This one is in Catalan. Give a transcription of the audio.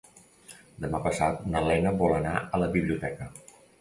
Demà passat na Lena vol anar a la biblioteca.